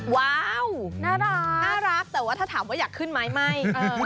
ว้าวน่ารักแต่ว่าถ้าถามว่าอยากขึ้นไหมไม่